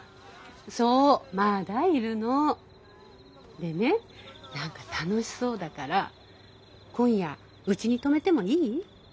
でね何か楽しそうだから今夜うちに泊めてもいい？